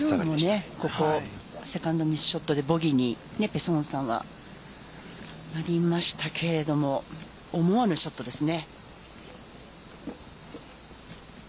昨日もセカンドミスショットでボギーになりましたけど思わぬショットですね。